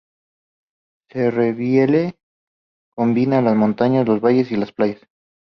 Su relieve combina las montañas, los valles y las playas.